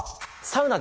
サウナ？